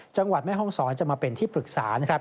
จังหวัดแม่ห้องศรจะมาเป็นที่ปรึกษา